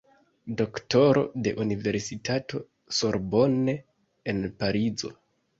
Doktoro de Universitato Sorbonne en Parizo.